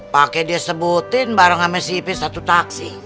pake dia sebutin bareng ama si ipe satu taksi